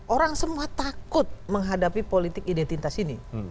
orang semua takut menghadapi politik identitas ini